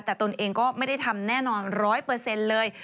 แต่ตนเองก็ไม่ได้ทำแน่นอนร้อยเปอร์เซ็นต์เลย